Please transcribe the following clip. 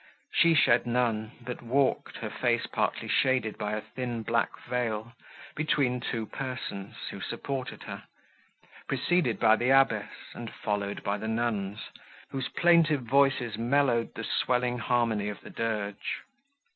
She shed none, but walked, her face partly shaded by a thin black veil, between two persons, who supported her, preceded by the abbess, and followed by nuns, whose plaintive voices mellowed the swelling harmony of the dirge.